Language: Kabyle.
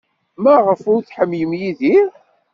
Maɣef ur tḥemmlem Yidir?